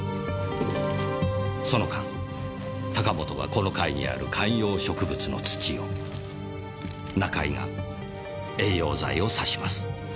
その間高本がこの階にある観葉植物の土を中井が栄養剤を挿します。